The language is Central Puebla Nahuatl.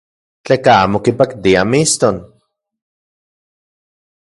Tleka amo kipaktia mixton.